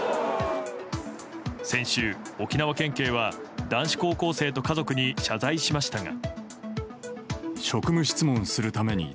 先週、沖縄県警は男子高校生と家族に謝罪しましたが。